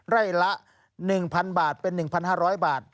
ไร่ละ๑๐๐๐บาทเป็น๑๕๐๐บาท